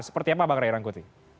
seperti apa bang ray rangkuti